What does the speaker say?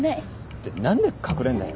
って何で隠れんだよ。